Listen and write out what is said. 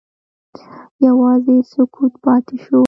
یوازې سکوت پاتې شو.